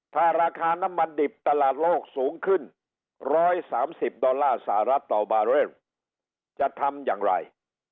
ถ้าราคาน้ำมันดิบตลาดโลกสูงขึ้น๑๓๐ดอลลาร์สหรัฐต่อบาร์เรลจะทำอย่างไร